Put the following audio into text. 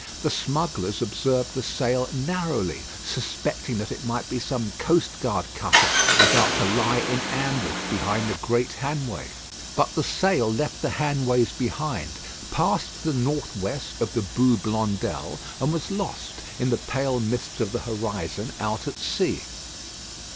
The smugglers observed the sail narrowly, suspecting that it might be some coast guard cutter about to lie in ambush behind the Great Hanway. But the sail left the Hanways behind, passed to the north west of the Boue Blondel, and was lost in the pale mists of the horizon out at sea.